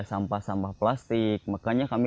sampah sampah plastik makanya kami